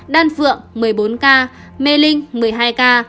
đan phượng một mươi bốn ca mê linh một mươi hai ca